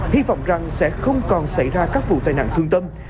hy vọng rằng sẽ không còn xảy ra các vụ tai nạn thương tâm